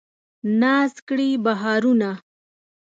ناز کړي بهارونه